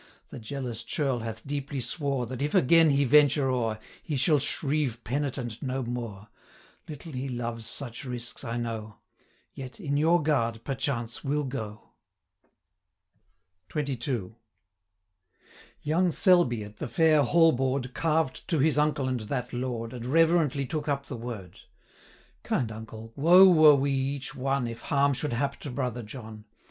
The jealous churl hath deeply swore, 360 That, if again he venture o'er, He shall shrieve penitent no more. Little he loves such risks, I know; Yet, in your guard, perchance will go.' XXII. Young Selby, at the fair hall board, 365 Carved to his uncle and that lord, And reverently took up the word. 'Kind uncle, woe were we each one, If harm should hap to brother John.